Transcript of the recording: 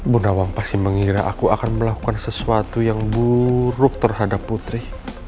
bu nawang pasti mengira aku akan melakukan sesuatu yang buruk terhadap putri